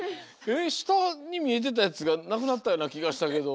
したにみえてたやつがなくなったようなきがしたけど。